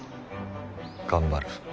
頑張る。